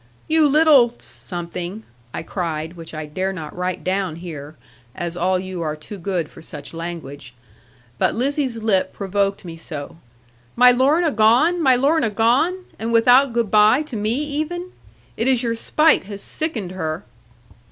'You little [something]' I cried, which I dare not write down here, as all you are too good for such language; but Lizzie's lip provoked me so 'my Lorna gone, my Lorna gone! And without good bye to me even! It is your spite has sickened her.'